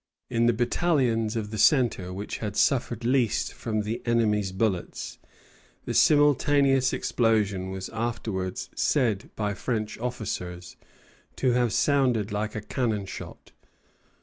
In the battalions of the centre, which had suffered least from the enemy's bullets, the simultaneous explosion was afterwards said by French officers to have sounded like a cannon shot.